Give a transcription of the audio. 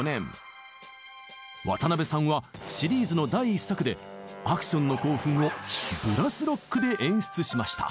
渡辺さんはシリーズの第１作でアクションの興奮をブラス・ロックで演出しました。